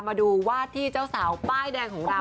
มาดูวาดที่เจ้าสาวป้ายแดงของเรา